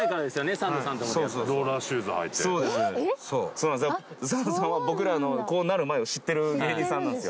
サンドさんは僕らのこうなる前を知ってる芸人さんなんですよ。